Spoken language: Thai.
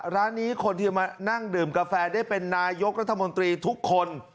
ร้านนี้คนที่มานั่งดื่มกาแฟได้เป็นนายกรัฐมนตรีทุกคน